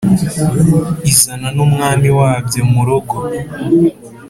izana n'umwami wabyo murogo